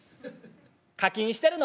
「課金してるの？」。